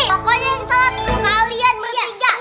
pokoknya salah satu kalian ber tiga